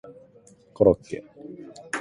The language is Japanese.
コロッケ